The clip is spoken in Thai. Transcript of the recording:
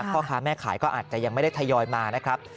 พ่อค้าแม่ขายก็อาจจะยังไม่ได้ทยอยมานะครับ